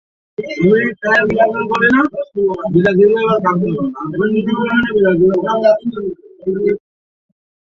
লাতিন আমেরিকার বেশ কিছু উচ্চতম বাড়ি এই শহরে অবস্থিত।